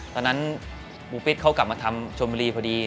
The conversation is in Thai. ตอนนั้นปูปิ๊ดเขากลับมาทำชนบุรีพอดี